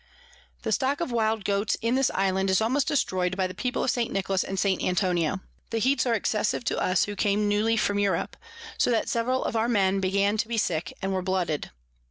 The Stock of wild Goats in this Island is almost destroy'd by the People of St. Nicholas and St. Antonio. The Heats are excessive to us who came newly from Europe, so that several of our Men began to be sick, and were blooded.